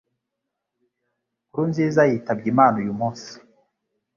Nkurunziza yitabye imana uyu munsi